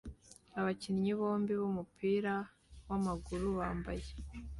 Abakinnyi bombi bumupira wamaguru bambaye